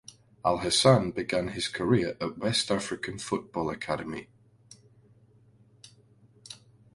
Alhassan began his career at West African Football Academy.